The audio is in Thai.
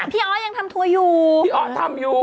พี่อ๋อย่างทำทัวร์อยู่พี่อ๋อทำอยู่